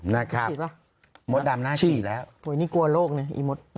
น่าครับมดดำน่าชีดแล้วชีดโอ้ยนี่กลัวโลกเนี่ยอีมด